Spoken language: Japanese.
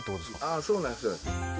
ああーそうなんです